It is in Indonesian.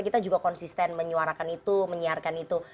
kita juga konsisten menyuarakan itu menyiarkan itu